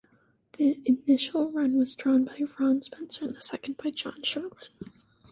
The initial run was drawn by Ron Spencer, and the second by John Sherwood.